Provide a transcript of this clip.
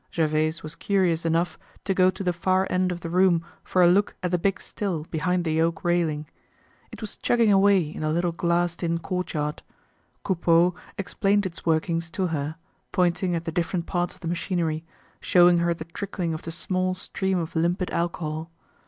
Gervaise was curious enough to go to the far end of the room for a look at the big still behind the oak railing. It was chugging away in the little glassed in courtyard. Coupeau explained its workings to her, pointing at the different parts of the machinery, showing her the trickling of the small stream of limpid alcohol.